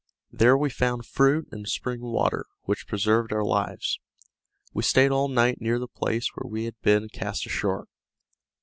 There we found fruit and spring water, which preserved our lives. We stayed all night near the place where we had been cast ashore.